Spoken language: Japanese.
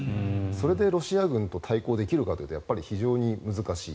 それでロシア軍に対抗できるかというとやっぱり非常に難しい。